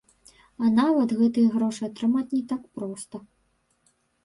І нават гэтыя грошы атрымаць не так проста.